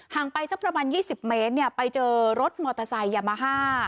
ไปสักประมาณ๒๐เมตรไปเจอรถมอเตอร์ไซค์ยามาฮ่า